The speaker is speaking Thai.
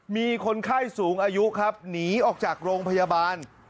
มีคนไข้สูงอายุครับหนีออกจากโรงพยาบาล